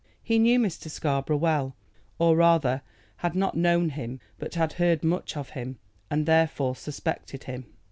He knew Mr. Scarborough well, or rather had not known him, but had heard much of him, and therefore suspected him.